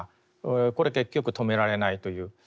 これ結局止められないという。